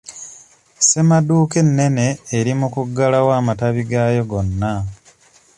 Ssemaduuka ennene eri mu kuggalawo amatabi gaayo gonna.